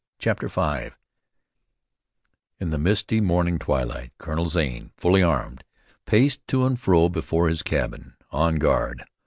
CHAPTER V In the misty morning twilight Colonel Zane, fully armed, paced to and fro before his cabin, on guard.